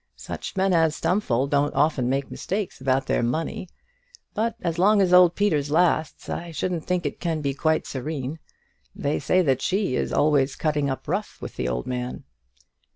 Such men as Stumfold don't often make mistakes about their money. But as long as old Peters lasts I shouldn't think it can be quite serene. They say that she is always cutting up rough with the old man."